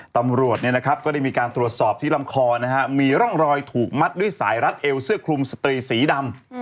ตำรวจก็ได้มีการตรวจสอบที่ลำคอมีร่องรอยถูกมัดด้วยสายรัดเอวเสื้อคลุมสตรีสีดำ